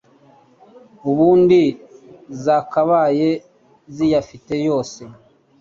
ubundi zakabaye ziyafite yose